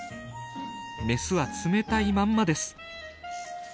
メスは冷たいまんまです。